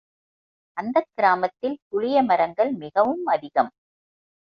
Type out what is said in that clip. அந்தக் கிராமத்தில் புளிய மரங்கள் மிகவும் அதிகம்.